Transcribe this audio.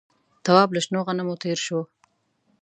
تواب له شنو غنمو تېر شو.